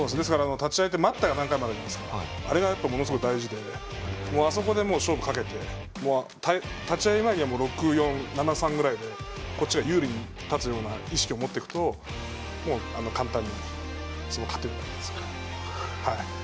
立ち合いって待ったが何回もあるんですけどあれがものすごい大事であそこで勝負をかけて立ち合い前には６：４、７：３ぐらいでこっちが有利に立つような意識を持っていくと簡単に勝てると。